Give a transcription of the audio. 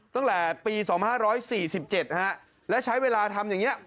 ตั้งแต่ปีสองพันห้าร้อยสี่สิบเจ็ดนะฮะแล้วใช้เวลาทำอย่างเงี้ย